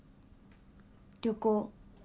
旅行。